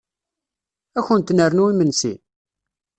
Ad kunt-nernu imensi?